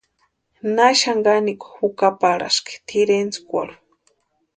¿Na xani kanikwa jukaparhaski tʼirentskwarhu.